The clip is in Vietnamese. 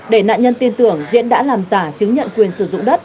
để nạn nhân tin tưởng diễn đã làm giả chứng nhận quyền sử dụng đất